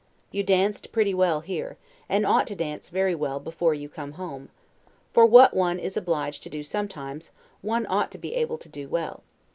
You danced pretty well here, and ought to dance very well before you come home; for what one is obliged to do sometimes, one ought to be able to do well.